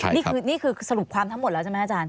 นี่คือสรุปความทั้งหมดแล้วใช่ไหมอาจารย